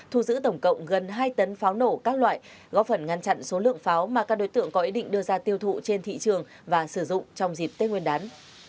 thu giữ tổng cộng gần hai tấn pháo nổ các loại góp phần ngăn chặn số lượng pháo mà các đối tượng có ý định đưa ra tiêu thụ trên thị trường và sử dụng trong dịp tết nguyên đán